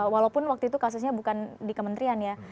walaupun waktu itu kasusnya bukan di kementerian ya